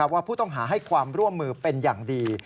ว่าผู้ต้องหาให้ความร่วมมือเป็นอย่างดี